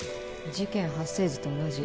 事件発生時と同じ。